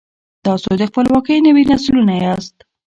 تاسو د خپلواکۍ نوي نسلونه یاست.